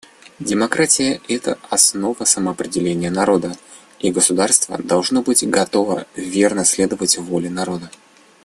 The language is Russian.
Демократия — это основа самоопределения народа, и государство должно быть готово верно следовать воле народа.